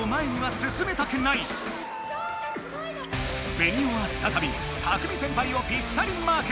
ベニオはふたたびタクミせんぱいをぴったりマーク！